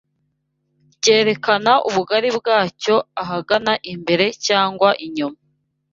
ryerekana ubugari bwacyo ahagana imbere cyangwa inyuma